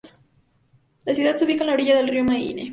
La ciudad se ubica en la orilla del río Mayenne.